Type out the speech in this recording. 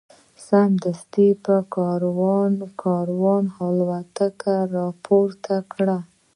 سمدلاسه پر کاروان الوتکې را پورته کړي.